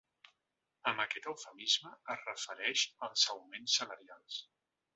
Amb aquest eufemisme es refereix als augments salarials.